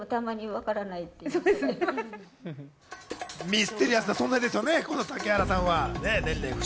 ミステリアスな存在ですよね、この竹原さんは。